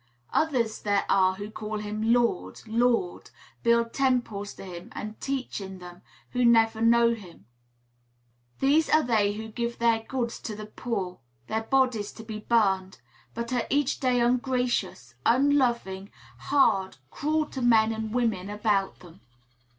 Others there are who call him "Lord, Lord," build temples to him and teach in them, who never know him. These are they who give their goods to the poor, their bodies to be burned; but are each day ungracious, unloving, hard, cruel to men and women about them.